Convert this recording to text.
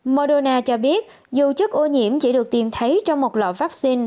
moderna cho biết dù chức ô nhiễm chỉ được tìm thấy trong một lọ vaccine